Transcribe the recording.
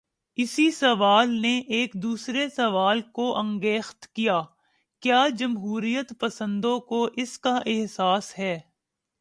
اسی سوال نے ایک دوسرے سوال کو انگیخت کیا: کیا جمہوریت پسندوں کو اس کا احساس ہے؟